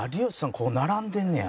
ここ並んでんねや。